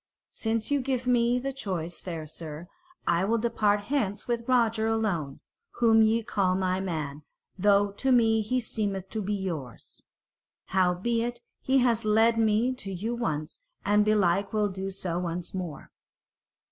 "Since ye give me the choice, fair sir, I will depart hence with Roger alone, whom ye call my man, though to me he seemeth to be yours. Howbeit, he has led me to you once, and belike will do so once more."